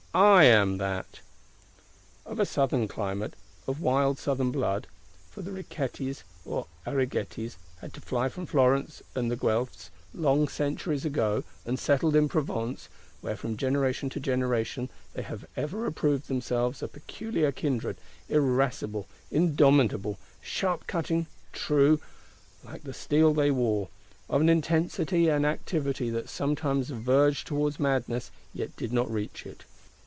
I am that.' Of a southern climate, of wild southern blood: for the Riquettis, or Arighettis, had to fly from Florence and the Guelfs, long centuries ago, and settled in Provence; where from generation to generation they have ever approved themselves a peculiar kindred: irascible, indomitable, sharp cutting, true, like the steel they wore; of an intensity and activity that sometimes verged towards madness, yet did not reach it.